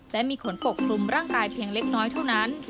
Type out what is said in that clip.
และมีขนปกคลุมร่างกายเพียงเล็กน้อยเท่านั้น